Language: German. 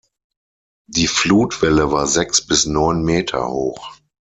Die Flutwelle war sechs bis neun Meter hoch.